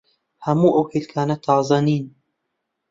هەموو ئەو هێلکانە تازە نین.